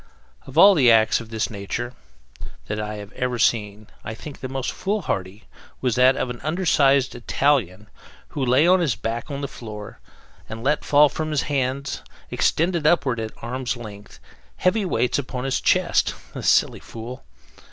Of all the acts of this nature that I have ever seen I think the most foolhardy was that of an under sized Italian who lay on his back on the floor and let fall from his hands, extended upward at arm's length heavy weights upon his chest the silly fool!